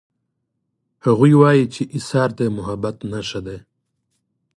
هغوی وایي چې ایثار د محبت نښه ده